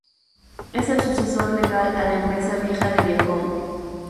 Es el sucesor legal a la empresa vieja de Viacom.